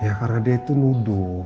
ya karena dia itu nuduh